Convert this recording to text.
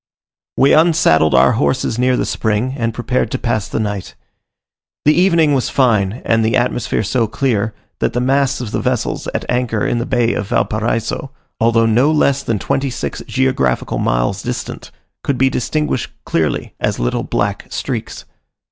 We unsaddled our horses near the spring, and prepared to pass the night. The evening was fine, and the atmosphere so clear, that the masts of the vessels at anchor in the bay of Valparaiso, although no less than twenty six geographical miles distant, could be distinguished clearly as little black streaks.